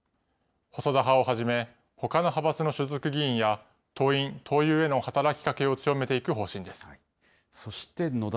細田派をはじめ、ほかの派閥の所属議員や、党員・党友への働きかけを強めていく方針です。